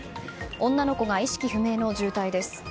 女の子が意識不明の重体です。